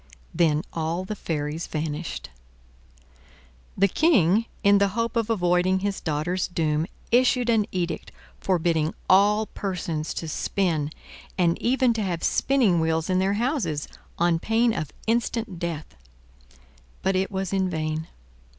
Then all the fairies vanished. The King, in the hope of avoiding his daughter's doom, issued an edict forbidding all persons to spin, and even to have spinning wheels in their houses, on pain of instant death. But it was in vain.